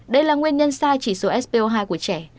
đây là nguyên nhân sai chỉ số spo hai của trẻ